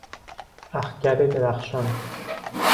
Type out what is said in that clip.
اخگر درخشان